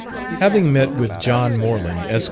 Having met with John Morland, Esq.